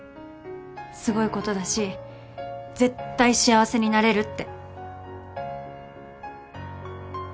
すごいことだし絶対幸せになれるって。